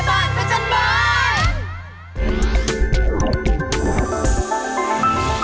โปรดติดตามตอนต่อไป